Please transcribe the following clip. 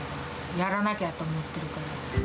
やらなきゃって思ってるから。